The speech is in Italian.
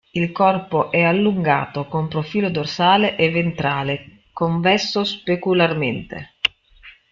Il corpo è allungato, con profilo dorsale e ventrale convesso specularmente.